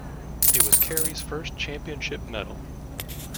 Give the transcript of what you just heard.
It was Carey's first championship medal.